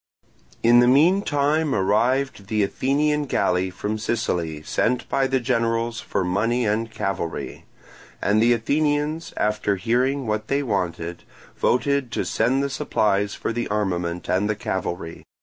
In the meantime arrived the Athenian galley from Sicily sent by the generals for money and cavalry; and the Athenians, after hearing what they wanted, voted to send the supplies for the armament and the cavalry.